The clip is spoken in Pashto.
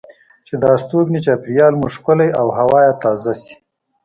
چې د استوګنې چاپیریال مو ښکلی او هوا یې تازه شي.